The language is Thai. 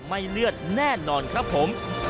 เลือดแน่นอนครับผม